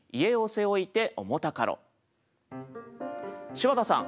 柴田さん